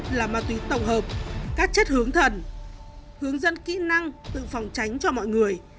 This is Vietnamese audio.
tổng hợp các chất hướng thần hướng dân kỹ năng tự phòng tránh cho mọi người